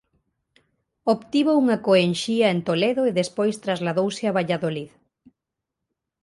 Obtivo unha coenxía en Toledo e despois trasladouse a Valladolid.